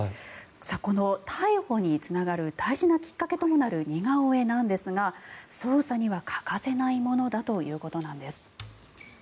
この逮捕につながる大事なきっかけともなる似顔絵ですが捜査には欠かせないものだということなんです。